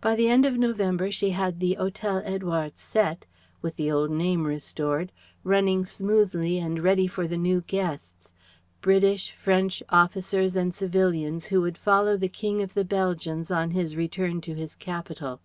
By the end of November she had the Hotel Édouard Sept with the old name restored running smoothly and ready for the new guests British, French officers and civilians who would follow the King of the Belgians on his return to his capital.